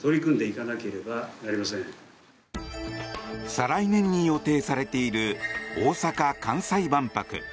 再来年に予定されている大阪・関西万博。